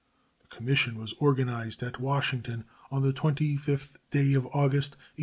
The commission was organized at Washington on the 25th day of August, 1840.